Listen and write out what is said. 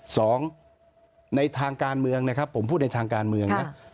สองในทางการเมืองนะครับผมพูดในทางการเมืองนะ